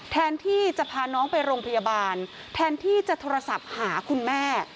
แทนที่จะพาน้องไปโรงพยาบาลแทนที่จะโทรศัพท์หาคุณแม่